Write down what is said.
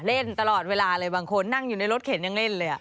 เล่นตลอดเวลาเลยบางคนนั่งอยู่ในรถเข็นยังเล่นเลย